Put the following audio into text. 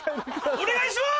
お願いします！